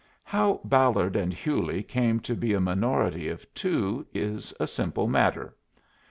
How Ballard and Hewley came to be a minority of two is a simple matter.